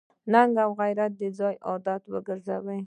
ننګ او غیرت د ځان عادت وګرځوه.